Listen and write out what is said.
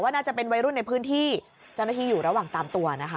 น่าจะเป็นวัยรุ่นในพื้นที่เจ้าหน้าที่อยู่ระหว่างตามตัวนะคะ